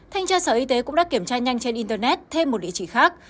thanh tra sở y tế cũng đã kiểm tra nhanh trên internet thêm một địa chỉ khác